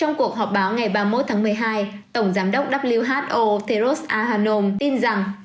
trong cuộc họp báo ngày ba mươi một tháng một mươi hai tổng giám đốc who teros ahanom tin rằng